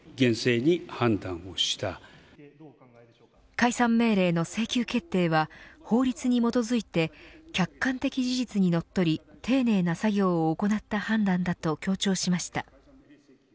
解散命令の請求決定は法律に基づいて客観的事実にのっとり丁寧な作業を行なった判断だと強調しました。